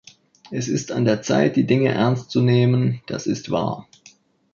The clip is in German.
Es ist an der Zeit, die Dinge ernst zu nehmen, das ist wahr.